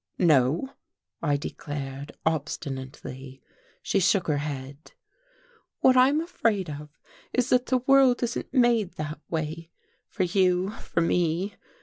"No," I declared obstinately. She shook her head. "What I'm afraid of is that the world isn't made that way for you for me.